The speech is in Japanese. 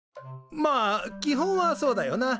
まあ基本はそうだよな。